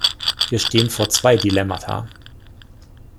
Wir stehen vor zwei Dilemmata.